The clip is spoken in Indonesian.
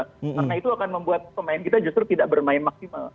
karena itu akan membuat pemain kita justru tidak bermain maksimal